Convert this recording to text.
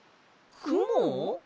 くも？